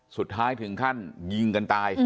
สุดท้ายถึงขั้นยิงกันตาย